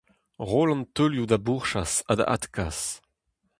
Roll an teulioù da bourchas ha da adkas.